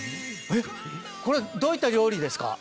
これどういった料理ですか？